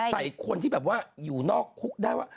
ใส่คนที่แบบว่าอยู่นอกคุกได้ว่า